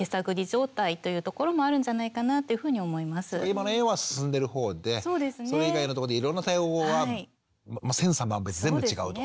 今の園は進んでる方でそれ以外のとこでいろんな対応は千差万別全部違うと。